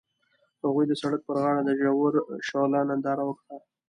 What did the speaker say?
هغوی د سړک پر غاړه د ژور شعله ننداره وکړه.